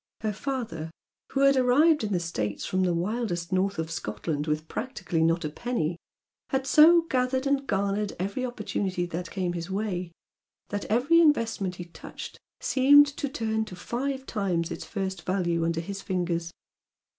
Her father, who had arrived in the States from the wildest north of Scotland with practically not a penny, had so gathered and garnered every opportunity that came in his way that every investment he touched seemed to turn to five times its first value under his fingers.